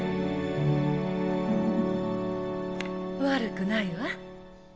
悪くないわ。